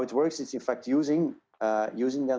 ya sudah dengan than